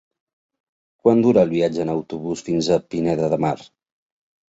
Quant dura el viatge en autobús fins a Pineda de Mar?